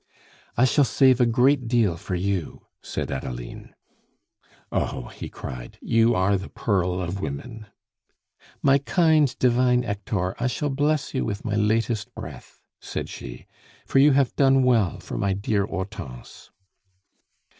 "I shall save a great deal for you," said Adeline. "Oh!" he cried, "you are the pearl of women!" "My kind, divine Hector, I shall bless you with my latest breath," said she, "for you have done well for my dear Hortense."